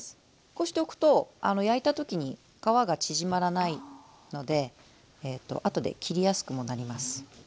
こうしておくと焼いた時に皮が縮まらないのであとで切りやすくもなります。